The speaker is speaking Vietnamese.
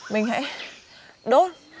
mình hãy đốt